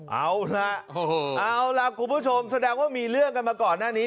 เอาล่ะเอาล่ะคุณผู้ชมแสดงว่ามีเรื่องกันมาก่อนหน้านี้